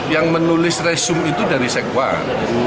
yang menulis resum itu dari sekwan